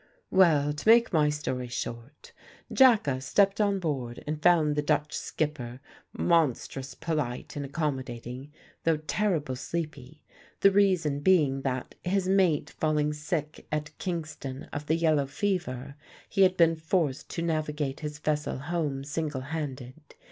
Well, to make my story short, Jacka stepped on board and found the Dutch skipper monstrous polite and accommodating, though terrible sleepy, the reason being that, his mate falling sick at Kingston of the yellow fever, he had been forced to navigate his vessel home single handed.